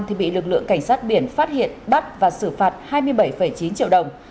thì bị lực lượng cảnh sát biển phát hiện bắt và xử phạt hai mươi bảy chín triệu đồng